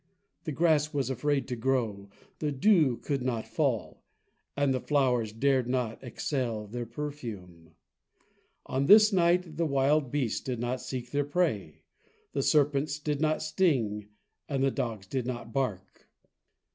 The grass was afraid to grow, the dew could not fall, and the flowers dared not exhale their perfume. On this night the wild beasts did not seek their prey, the serpents did not sting, and the dogs did not bark.